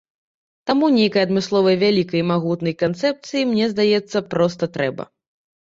Таму нейкай адмысловай вялікай і магутнай канцэпцыі, мне здаецца, проста трэба.